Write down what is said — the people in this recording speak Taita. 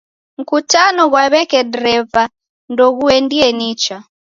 Mkutano ghwa w'eke dreva ndoghuendie nicha.